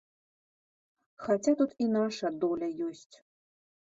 Хаця тут і наша доля ёсць.